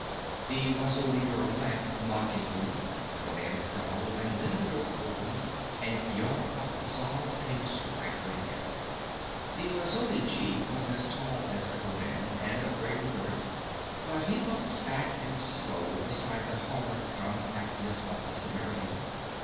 The Wazuli girl laughed mockingly, Conan scowled, and then the door opened and Yar Afzal came swaggering in. The Wazuli chief was as tall as Conan, and of greater girth, but he looked fat and slow beside the hard compactness of the Cimmerian.